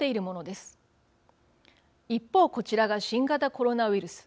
一方こちらが新型コロナウイルス。